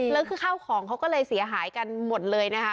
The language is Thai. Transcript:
แล้วคือข้าวของเขาก็เลยเสียหายกันหมดเลยนะคะ